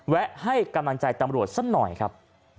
แวะให้กำลังใจตำรวจสักหน่อยครับ